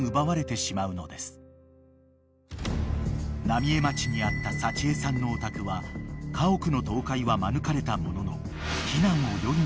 ［浪江町にあった幸枝さんのお宅は家屋の倒壊は免れたものの］